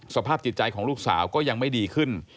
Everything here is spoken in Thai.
สภาพจิตใจของลูกสาวก็ยังไม่ดีขึ้น